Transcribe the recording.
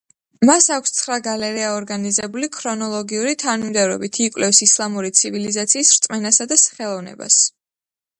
მას აქვს ცხრა გალერეა ორგანიზებული ქრონოლოგიური თანმიმდევრობით, იკვლევს ისლამური ცივილიზაციის რწმენასა და ხელოვნებას.